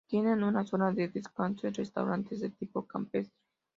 Tienen una zona de descanso y restaurantes de tipo campestre.